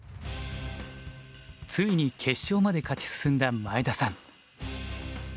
ついに決勝まで勝ち進んだ前田さん。